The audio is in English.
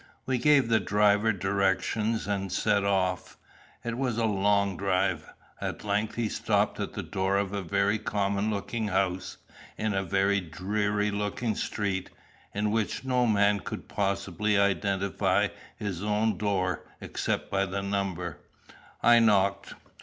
We gave the driver directions, and set off. It was a long drive. At length he stopped at the door of a very common looking house, in a very dreary looking street, in which no man could possibly identify his own door except by the number. I knocked.